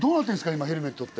今ヘルメットって。